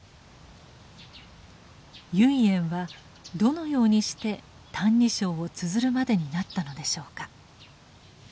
唯円はどのようにして「歎異抄」をつづるまでになったのでしょうか。